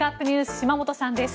島本さんです。